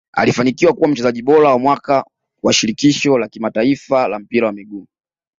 alifanikiwa kuwa mchezaji bora wa mwaka wa shirikisho la kimataifa la mpira wa miguu